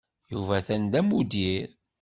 Yuba atan d amuddir.